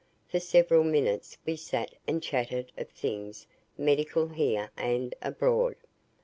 For several minutes we sat and chatted of things medical here and abroad.